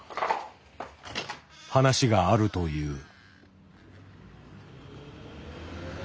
話があるという。